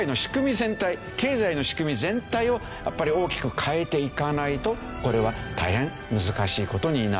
全体経済の仕組み全体をやっぱり大きく変えていかないとこれは大変難しい事になる。